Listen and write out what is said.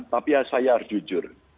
tapi saya jujur